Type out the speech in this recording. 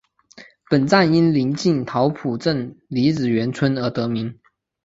本站因临近桃浦镇李子园村而得名。